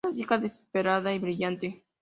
Clásica... Desesperada y brillante".